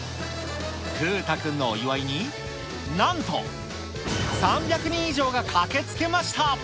風太くんのお祝いに、なんと３００人以上が駆けつけました。